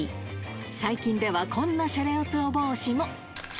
最近ではこんなしゃれおつお帽子も。